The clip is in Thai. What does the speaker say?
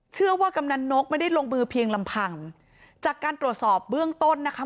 กำนันนกไม่ได้ลงมือเพียงลำพังจากการตรวจสอบเบื้องต้นนะคะ